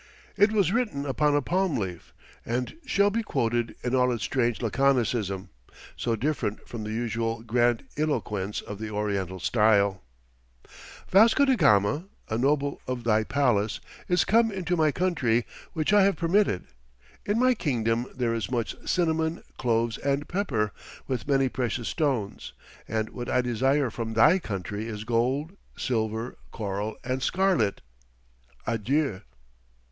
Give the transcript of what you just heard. It was written upon a palm leaf, and shall be quoted in all its strange laconicism, so different from the usual grandiloquence of the oriental style: "Vasco da Gama, a noble of thy palace, is come into my country which I have permitted. In my kingdom there is much cinnamon, cloves, and pepper, with many precious stones, and what I desire from thy country is gold, silver, coral, and scarlet. Adieu."